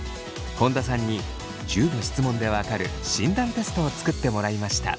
本田さんに１０の質問でわかる診断テストを作ってもらいました。